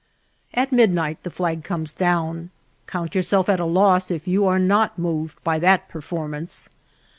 At midnight the flag comes down. Count yourself at a loss if you are not moved by that performance.